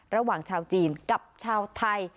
ระหว่างชาวจีนกับชาวไทย